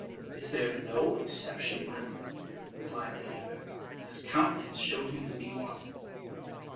"Is there no exception, madam?" replied Leander, and his countenance showed him to be one.